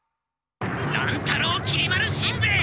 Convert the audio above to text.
乱太郎きり丸しんべヱ！